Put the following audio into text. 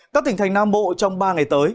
các tỉnh thành nam bộ trong ba ngày tới